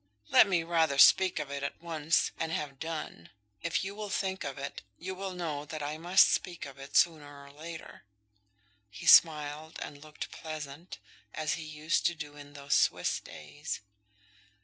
"Let me rather speak of it at once, and have done. If you will think of it, you will know that I must speak of it sooner or later." He smiled and looked pleasant, as he used to do in those Swiss days.